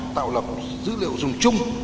tạo lập dữ liệu dùng chung